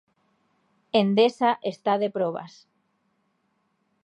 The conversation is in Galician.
Endesa está de probas.